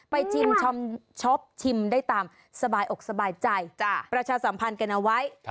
ชอบชิมได้ตามสบายอกสบายใจประชาสัมพันธ์กันเอาไว้